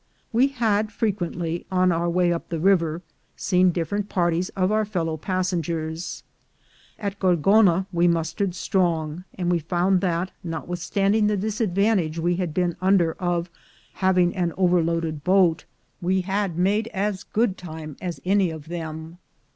We had frequently, on our way up the river, seen different parties of our fellow passengers. At Gor gona we mustered strong; and we found that, not withstanding the disadvantage we had been under of having an overloaded boat, we had made as good time as any of them.